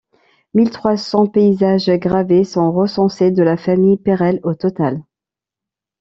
Mille trois cents paysages gravés sont recensés de la famille Pérelle au total.